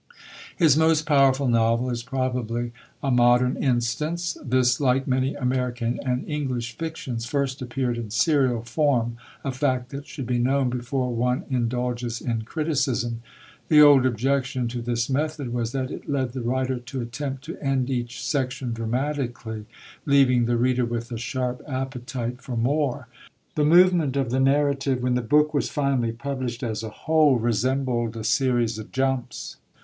His most powerful novel is probably A Modern Instance. This, like many American and English fictions, first appeared in serial form a fact that should be known before one indulges in criticism. The old objection to this method was that it led the writer to attempt to end each section dramatically, leaving the reader with a sharp appetite for more. The movement of the narrative, when the book was finally published as a whole, resembled a series of jumps.